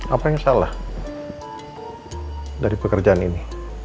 apa yang salah dari pekerjaan ini